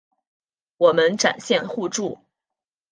我们展现互助